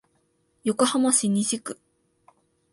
横浜市西区